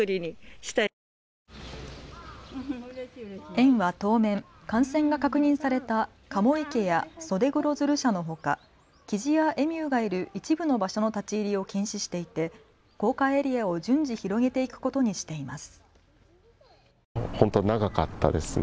園は当面、感染が確認されたカモ池やソデグロヅル舎のほかキジやエミューがいる一部の場所の立ち入りを禁止していて公開エリアを順次、広げていくことにしています。